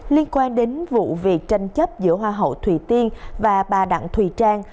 liên quan đến vụ việc tranh chấp giữa hoa hậu thùy tiên và bà đặng thùy trang